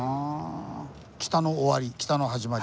北の終わり北の始まり。